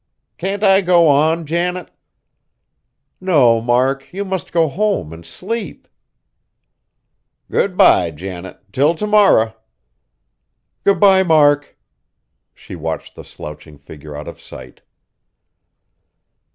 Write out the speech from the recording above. "Can't I go on, Janet?" "No, Mark, you must go home and sleep!" "Good bye, Janet, till t' morrer!" "Good bye, Mark!" She watched the slouching figure out of sight.